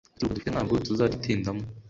Ikiruhuko dufite ntabwo tuzagitindamo